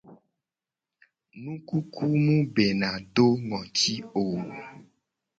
Nukuku mu bena do ngoti o.